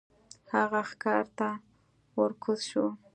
هغه ښکار ته ور کوز شو.